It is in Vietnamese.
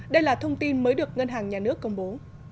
đây là thông tin mới được ngân hàng nhà nước công bố